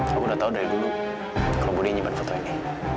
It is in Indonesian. kamu udah tahu dari dulu kamu boleh nyebar foto ini